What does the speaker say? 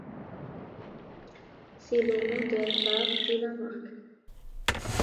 C'est le modèle phare de la marque.